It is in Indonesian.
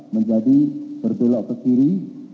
menjadi berbelok ke kiri